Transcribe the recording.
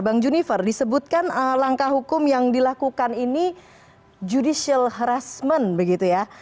bang junifer disebutkan langkah hukum yang dilakukan ini judicial harassment begitu ya